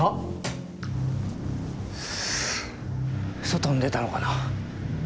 外に出たのかな？